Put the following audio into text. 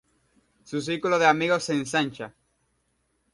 Su círculo de amigos se ensancha.